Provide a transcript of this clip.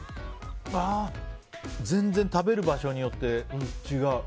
全然食べる場所によって違う。